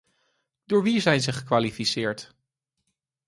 Door wie zijn ze gekwalificeerd?